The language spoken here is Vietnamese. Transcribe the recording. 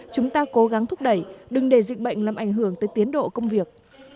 chúng ta cố gắng thúc đẩy đừng để dịch bệnh làm ảnh hưởng tới tiến độ công việc